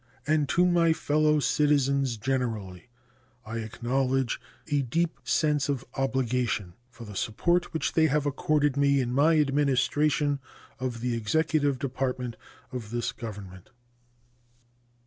And to my fellow citizens generally I acknowledge a deep sense of obligation for the support which they have accorded me in my administration of the executive department of this Government.